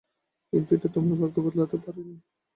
কিন্তু এটা তোমার ভাগ্য বদলাতে পারেনি।